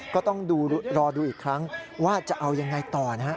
ก็ต้องรอดูอีกครั้งว่าจะเอายังไงต่อนะฮะ